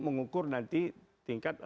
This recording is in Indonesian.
mengukur nanti tingkat